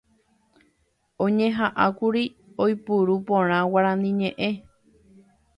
oñeha'ãkuri oipuru porã Guarani ñe'ẽ